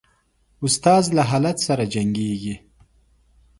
استاد له جهالت سره جنګیږي.